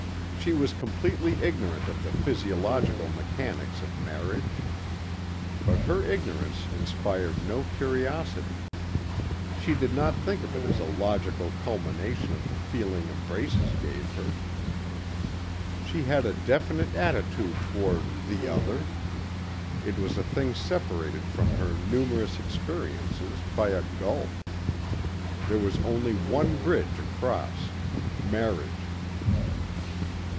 She was completely ignorant of the physiological mechanics of marriage. But her ignorance inspired no curiosity. She did not think of it as a logical culmination of the feeling embraces gave her. She had a definite attitude toward "the other." It was a thing separated from her numerous experiences by a gulf. There was only one bridge across marriage.